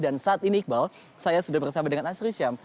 dan saat ini iqbal saya sudah bersama dengan asri syam